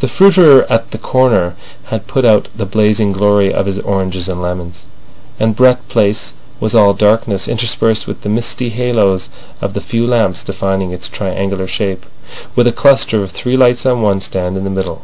The fruiterer at the corner had put out the blazing glory of his oranges and lemons, and Brett Place was all darkness, interspersed with the misty halos of the few lamps defining its triangular shape, with a cluster of three lights on one stand in the middle.